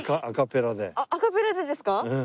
アカペラでですか？